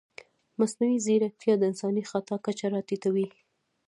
مصنوعي ځیرکتیا د انساني خطا کچه راټیټوي.